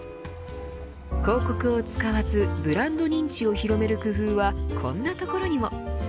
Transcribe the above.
広告を使わずブランド認知を広める工夫はこんなところにも。